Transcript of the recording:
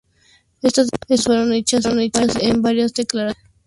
Estas demandas fueron hechas en varias declaraciones en vídeo por parte de Artemio.